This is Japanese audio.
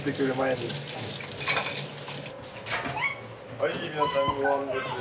はい皆さんごはんですよ。